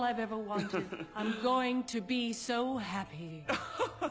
アハハハ。